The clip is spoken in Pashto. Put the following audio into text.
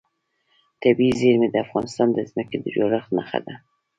طبیعي زیرمې د افغانستان د ځمکې د جوړښت نښه ده.